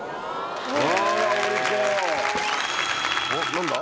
何だ？